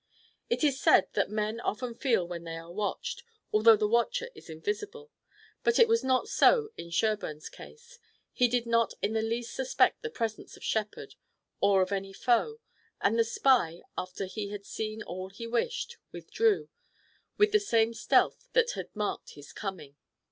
It is said that men often feel when they are watched, although the watcher is invisible, but it was not so in Sherburne's case. He did not in the least suspect the presence of Shepard or of any foe, and the spy, after he had seen all he wished, withdrew, with the same stealth that had marked his coming.